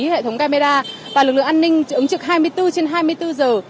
hệ thống camera và lực lượng an ninh ứng trực hai mươi bốn trên hai mươi bốn giờ